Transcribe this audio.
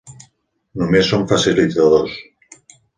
Només són facilitadors.